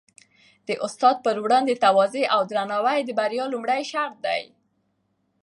د استاد په وړاندې تواضع او درناوی د بریا لومړی شرط دی.